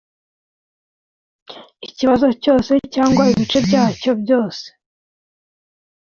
ikibazo cyose cyangwa ibice byacyo byose